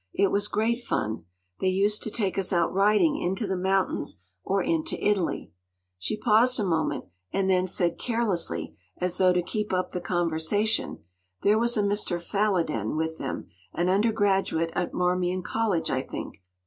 It was great fun. They used to take us out riding into the mountains, or into Italy.” She paused a moment, and then said carelessly—as though to keep up the conversation—“There was a Mr. Falloden with them—an undergraduate at Marmion College, I think.